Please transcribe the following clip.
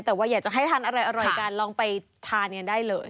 แต่ว่าอยากจะให้ทานอะไรอร่อยกันลองไปทานกันได้เลย